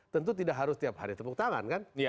tentu tidak harus tiap hari tepuk tangan kan